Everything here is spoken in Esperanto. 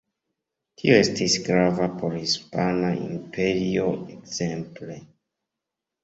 Tio estis grava por Hispana Imperio ekzemple.